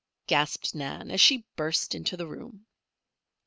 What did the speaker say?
gasped Nan, as she burst into the room.